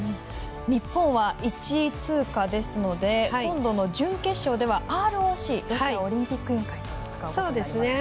日本は１位通過ですので今度の準決勝ではＲＯＣ＝ロシアオリンピック委員会と戦いますね。